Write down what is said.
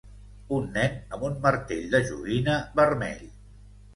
Un nen amb un martell de joguina vermell.